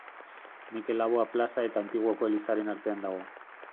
Mikel Laboa plaza eta Antiguoko elizaren artean dago.